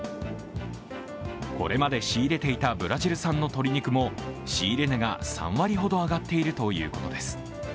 これまで仕入れていたブラジル産の鶏肉も仕入れ値が３割ほど上がっているということです。